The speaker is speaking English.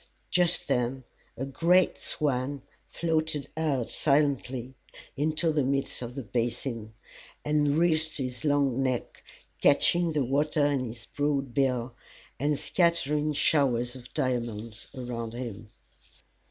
Just then a great swan floated out silently into the midst of the basin, and wreathed his long neck, catching the water in his broad bill, and scattering showers of diamonds around him.